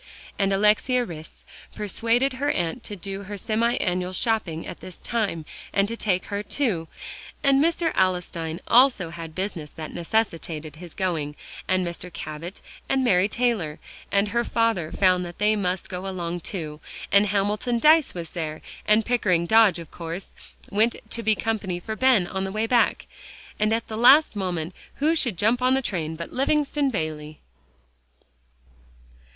And Alexia Rhys persuaded her aunt to do her semi annual shopping at this time, and to take her too; and Mr. Alstyne also had business that necessitated his going, and Mr. Cabot and Mary Taylor, and her father found they must go along too; and Hamilton Dyce was there, and Pickering Dodge, of course, went to be company for Ben on the way back. And at the last moment who should jump on the train but Livingston Bayley.